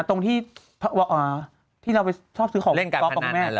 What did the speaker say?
ตรงที่เราไปชอบซื้อของก็ออกครับคุณแม่